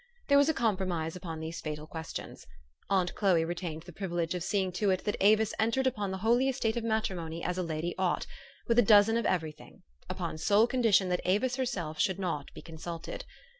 There was a compromise upon these fatal questions. Aunt Chloe retained the privilege of seeing to it that Avis entered upon the holy estate of matrimony as a lady ought, with a dozen of every thing, upon sole condi tion that Avis herself should not be consulted.